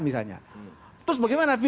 misalnya terus bagaimana